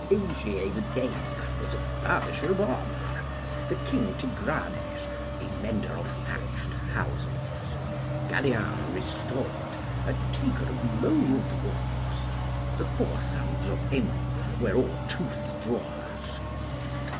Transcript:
Ogier the Dane was a furbisher of armour. The King Tigranes, a mender of thatched houses. Galien Restored, a taker of moldwarps. The four sons of Aymon were all toothdrawers.